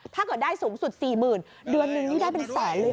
ถ้าเกิดได้สูงสุด๔๐๐๐เดือนนึงนี่ได้เป็นแสนเลย